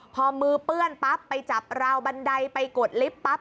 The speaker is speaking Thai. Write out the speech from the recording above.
พอมือเปื้อนปั๊บไปจับราวบันไดไปกดลิฟต์ปั๊บ